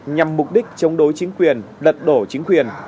nhằm mục đích chống đối chính quyền lật đổ chính quyền